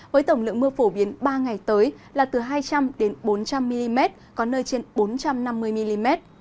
với tổng lượng mưa phổ biến ba ngày tới là từ hai trăm linh bốn trăm linh mm có nơi trên bốn trăm năm mươi mm